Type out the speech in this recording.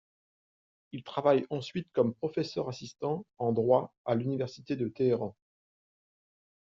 Elle travaille ensuite comme professeur assistant en droit à l’université de Téhéran.